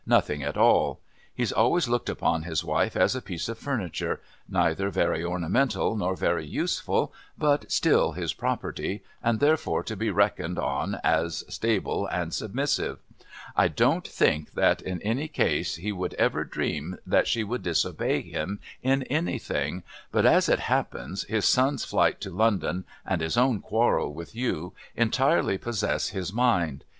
"Nothing at all. He's always looked upon his wife as a piece of furniture, neither very ornamental nor very useful, but still his property, and therefore to be reckoned on as stable and submissive. I don't think that in any case he would ever dream that she could disobey him in anything, but, as it happens, his son's flight to London and his own quarrel with you entirely possess his mind.